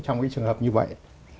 trong cái trường hợp như vậy